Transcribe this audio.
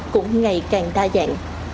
cũng ngày càng đa dạng